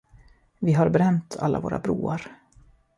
Vi har bränt alla våra broar.